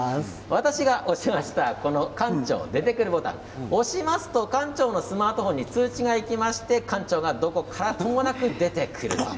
私が押しました館長が出てくるボタン押しますと館長のスマートフォンに通知がいきまして館長がどこからともなく出てくる。